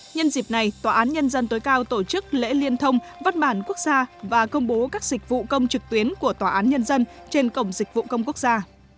nhân dịp này tòa án nhân dân tối cao tổ chức lễ liên thông văn bản quốc gia và công bố các dịch vụ công trực tuyến của tòa án nhân dân trên cổng dịch vụ công quốc gia